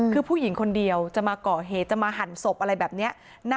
คือผู้หญิงคนเดียวจะมาก่อเหตุจะมาหั่นศพอะไรแบบนี้